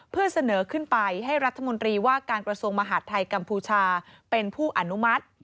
เพื่อเสนอขึ้นไปให้รัฐมนตรีว่าการกระทรวงมหาดไทยกัมพูชาเป็นผู้อนุมัติ